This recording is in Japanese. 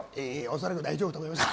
恐らく大丈夫だと思います。